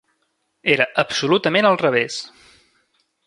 Era absolutament al revés.